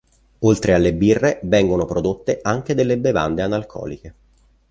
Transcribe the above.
Oltre alle birre vengono prodotte anche delle bevande analcoliche.